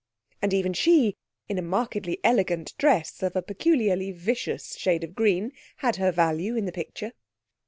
And even she, in a markedly elegant dress of a peculiarly vicious shade of green, had her value in the picture.